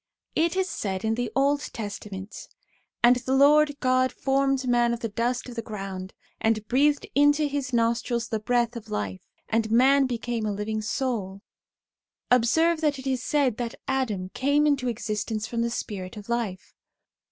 It is said in the Old Testament, 'And the Lord God formed man of the dust of the ground, and breathed into his nostrils the breath of life; and man became a living soul/ 1 Observe that it is said that Adam came into existence from the Spirit of life.